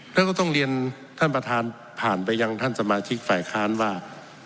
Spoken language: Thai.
แล้วก็ต้องเรียนท่านประธานผ่านไปยังท่านสมาชิกฝ่ายค้านว่า